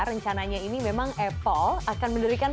rencananya ini memang apple akan mendirikan